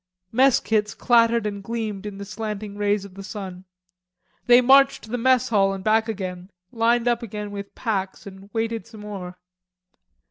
Mess kits clattered and gleamed in the slanting rays of the sun. They marched to the mess hall and back again, lined up again with packs and waited some more.